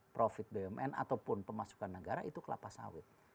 profit bumn ataupun pemasukan negara itu kelapa sawit